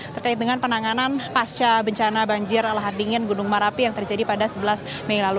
terkait dengan penanganan pasca bencana banjir lahar dingin gunung merapi yang terjadi pada sebelas mei lalu